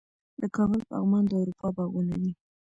د کابل پغمان د اروپا باغونه دي